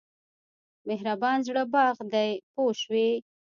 مهربان زړه باغ دی پوه شوې!.